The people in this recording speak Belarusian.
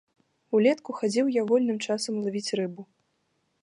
Улетку хадзіў я вольным часам лавіць рыбу.